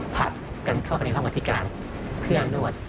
ผ่านกันเข้ากันในห้องอธิการเพื่อนรวด